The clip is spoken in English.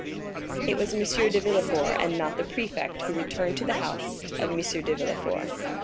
It was M. de Villefort, and not the prefect, who returned to the house of M. de Villefort.